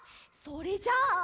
それじゃあ。